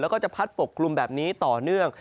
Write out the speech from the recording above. แล้วก็จะพัดปกกลุ่มแบบนี้ต่อเนื่อง